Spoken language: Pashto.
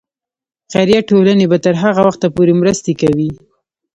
خیریه ټولنې به تر هغه وخته پورې مرستې کوي.